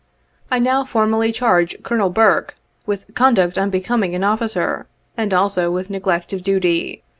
I now formally charge Colonel Burke with conduct unbecoming an officer, and also with neglect of duty.